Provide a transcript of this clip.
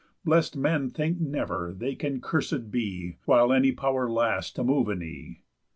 Bless'd men think never they can cursed be, While any power lasts to move a knee.